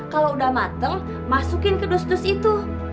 kalau udah mateng masukin ke dos dos itu